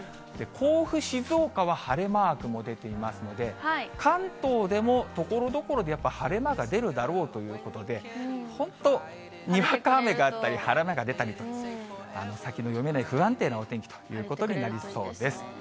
甲府、静岡は晴れマークも出ていますので、関東でもところどころでやっぱり晴れ間が出るだろうということで、本当、にわか雨があったり、晴れ間が出たりと、先の読めない不安定なお天気ということになりそうです。